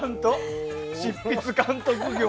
執筆、監督業。